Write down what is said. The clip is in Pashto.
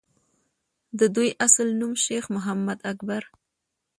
دَدوي اصل نوم شېخ محمد اکبر